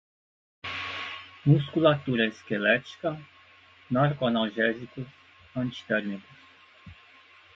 musculatura esquelética, narcoanalgésicos, antitérmicos